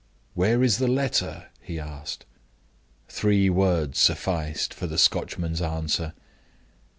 "Where is the letter?" he asked. Three words sufficed for the Scotchman's answer.